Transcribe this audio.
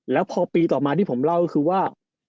แล้วพอปีต่อมาที่ผมเล่าก็คือว่า